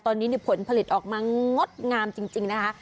ตอนนี้เนี่ยผลผลิตออกมางดงามจริงจริงนะคะ